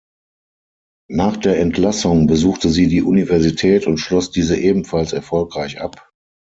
Nach der Entlassung besuchte sie die Universität und schloss diese ebenfalls erfolgreich ab.